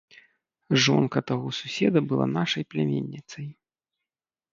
Жонка таго суседа была нашай пляменніцай.